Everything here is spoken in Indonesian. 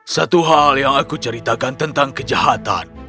satu hal yang aku ceritakan tentang kejahatan